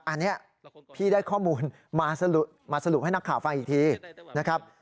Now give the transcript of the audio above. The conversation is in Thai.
อันนี้พี่ได้ข้อมูลมาสรุปให้นักข่าวฟังอีกทีนะครับ